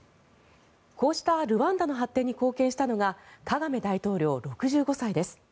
こうしたルワンダの発展に貢献したのがカガメ大統領、６５歳です。